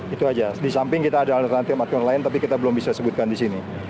itu saja di samping kita ada alat alat yang lain tapi kita belum bisa sebutkan di sini